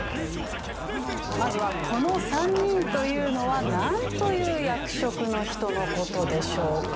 まずはこの３人というのはなんという役職の人の事でしょうか？